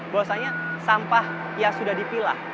bahwasanya sampah yang sudah dipilah